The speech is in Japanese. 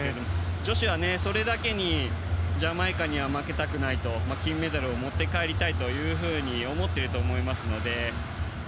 女子はそれだけにジャマイカには負けたくないと金メダルを持って帰りたいと思ってると思いますので。